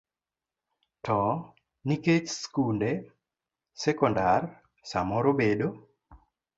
To nikech skunde sekondar samoro bedo